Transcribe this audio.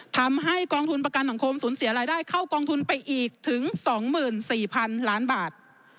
ทำให้กองทุนประกันสังคมสูญเสียรายได้เข้ากองทุนไปอีกถึง๒๔๐๐๐ล้านบาท